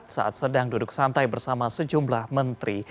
saat sedang duduk santai bersama sejumlah menteri